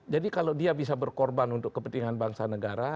jadi kalau dia bisa berkorban untuk kepentingan bangsa negara